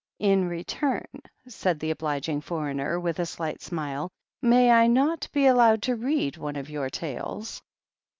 "In return," said the obliging foreigner, with a slight smile, "may I not be allowed to read one of your tales?"